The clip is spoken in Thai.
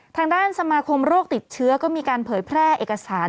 ทางด้านสมาคมโรคติดเชื้อก็มีการเผยแพร่เอกสาร